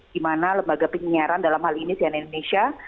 di mana lembaga penyiaran dalam hal ini cnn indonesia